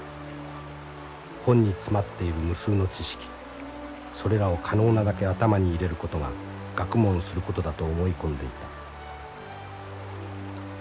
本に詰まっている無数の知識それらを可能なだけ頭に入れることが学問することだと思い込んでいた」。